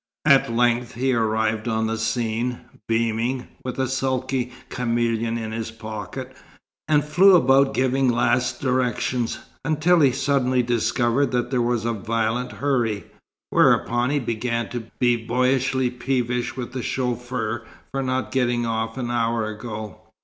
At length he arrived on the scene, beaming, with a sulky chameleon in his pocket, and flew about giving last directions, until he suddenly discovered that there was a violent hurry, whereupon he began to be boyishly peevish with the chauffeur for not getting off an hour ago.